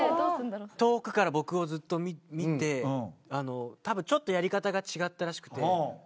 遠くから僕をずっと見てたぶんちょっとやり方が違ったらしくて教えてくれて。